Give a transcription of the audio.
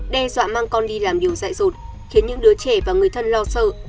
đe dọa mang con đi làm điều dạy rột khiến những đứa trẻ và người thân lo sợ